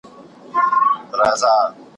کله دي مرګ وي اور د ګرمیو `